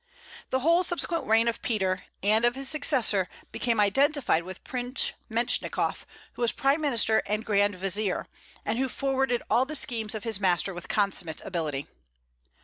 The whole subsequent reign of Peter, and of his successor, became identified with Prince Mentchikof, who was prime minister and grand vizier, and who forwarded all the schemes of his master with consummate ability.